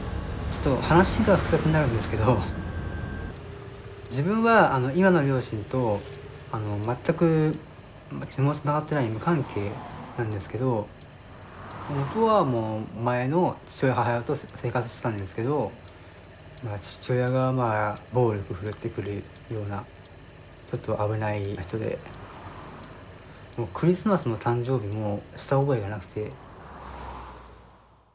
ちょっと話が複雑になるんですけど自分は今の両親と全く血もつながってない無関係なんですけどもとは前の父親母親と生活してたんですけど父親が暴力振るってくるようなちょっと危ない人でもうクリスマスも誕生日もした覚えがなくて。